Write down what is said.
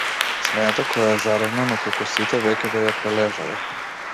Смеата која е заразна но како сите веќе да ја прележале.